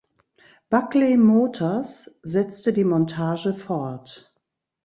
Buckley Motors setzte die Montage fort.